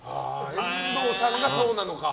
遠藤さんがそうなのか。